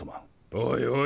おいおい